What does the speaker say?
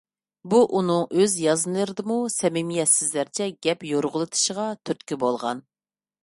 بۇ ئۇنىڭ ئۆز يازمىلىرىدىمۇ سەمىمىيەتسىزلەرچە گەپ يورغىلىتىشىغا تۈرتكە بولغان.